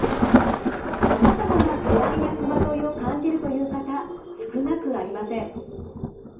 さまざまな不安や戸惑いを感じるという方少なくありません。